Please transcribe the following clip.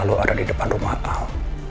gua tandai duk al